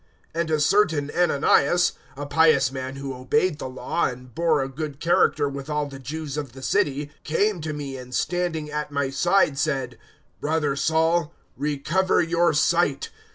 022:012 "And a certain Ananias, a pious man who obeyed the Law and bore a good character with all the Jews of the city, 022:013 came to me and standing at my side said, "`Brother Saul, recover your sight.'